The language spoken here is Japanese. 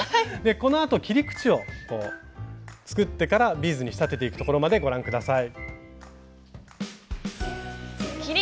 このあと切り口を作ってからビーズに仕立てていくところまでご覧下さい。